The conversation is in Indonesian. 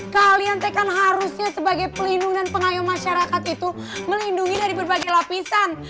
kalian teh kan harusnya sebagai pelindung dan pengayuh masyarakat itu melindungi dari berbagai lapisan